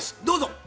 どうぞ。